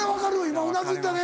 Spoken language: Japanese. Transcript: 今うなずいたね。